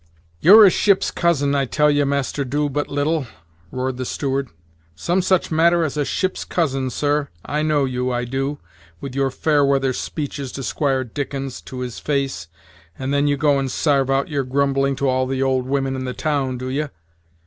"You're a ship's cousin, I tell ye, Master Doo but little," roared the steward; "some such matter as a ship's cousin, sir. I know you, I do, with your fair weather speeches to Squire Dickens, to his face, and then you go and sarve out your grumbling to all the old women in the town, do ye?